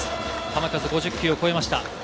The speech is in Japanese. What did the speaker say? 球数５０球を超えました。